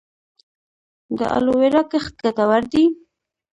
د الوویرا کښت ګټور دی؟